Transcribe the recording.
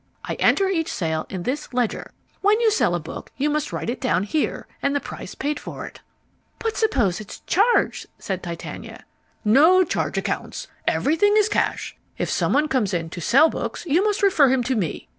I enter each sale in this ledger. When you sell a book you must write it down here, and the price paid for it." "But suppose it's charged?" said Titania. "No charge accounts. Everything is cash. If someone comes in to sell books, you must refer him to me.